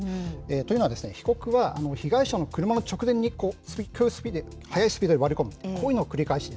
というのは、被告は被害者の車の直前にこう、速いスピードで割り込む、こういうのを繰り返した。